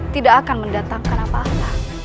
tidak akan mendatangkan apa apa